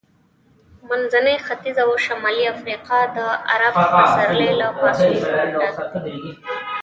منځنی ختیځ او شمالي افریقا د عرب پسرلي له پاڅونونو ډک دي.